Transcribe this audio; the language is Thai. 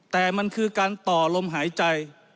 แต่มันคือการต่อลมหายใจ